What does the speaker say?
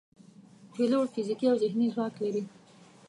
پیلوټ فزیکي او ذهني ځواک لري.